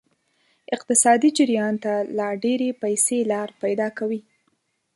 اقتصادي جریان ته لا ډیرې پیسې لار پیدا کوي.